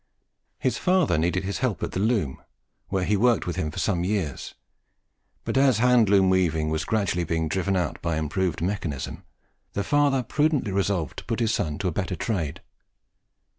His father needed his help at the loom, where he worked with him for some years; but, as handloom weaving was gradually being driven out by improved mechanism, the father prudently resolved to put his son to a better trade.